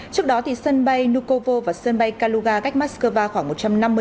trước đó thì sân bay nukovo và sân bay kaluga cách moskova khoảng một triệu đồng